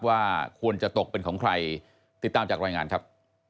ว่าควรจะตกเป็นของใครติดตามจากรายงานครับ